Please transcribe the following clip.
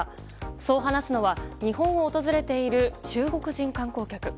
そう話すのは日本を訪れている中国人観光客。